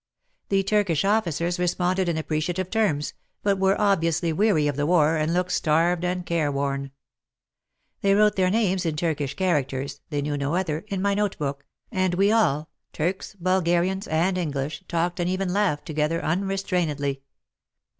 The Turkish officers responded in appreciative terms, but were obviously weary of the war and looked starved and careworn. They wrote their names in Turkish characters — they knew no other — in my note book, and we all, Turks, Bulgarians and English, talked and even laughed together unrestrainedly.